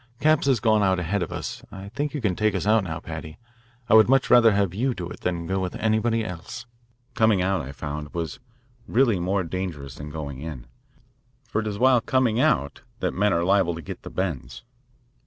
Capps has gone out ahead of us. I think you can take us out now, Paddy. I would much rather have you do it than to go with anybody else." Coming out, I found, was really more dangerous than going in, for it is while coming out of the that men are liable to get the bends.